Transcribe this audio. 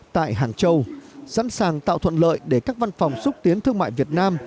tại hàng châu sẵn sàng tạo thuận lợi để các văn phòng xúc tiến thương mại việt nam